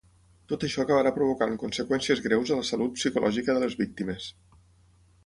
Tot això acabarà provocant conseqüències greus a la salut psicològica de les víctimes.